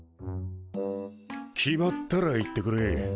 決まったら言ってくれ。